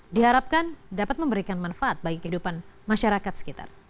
diharapkan dapat memberikan manfaat bagi kehidupan masyarakat sekitar